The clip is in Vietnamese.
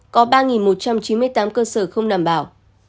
có ba một trăm chín mươi tám cơ sở không đảm bảo